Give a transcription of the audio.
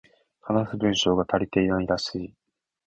話す文章が足りていないらしい